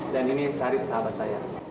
dan ini syarif sahabat saya